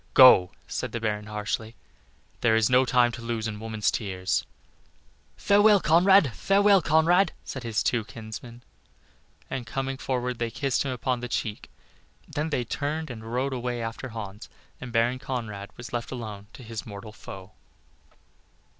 "Go," said the Baron, harshly, "there is no time to lose in woman's tears." "Farewell, Conrad! farewell, Conrad!" said his two kinsmen, and coming forward they kissed him upon the cheek then they turned and rode away after Hans, and Baron Conrad was left alone to face his mortal foe.